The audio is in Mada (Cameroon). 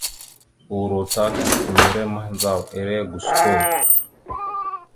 Uro ta kʉsəkumere mahəndzaw ere gosko.